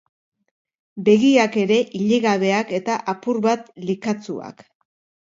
Begiak ere ilegabeak eta apur bat likatsuak.